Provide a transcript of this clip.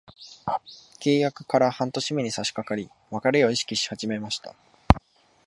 契約から半年目に差しかかり、別れを意識し始めました。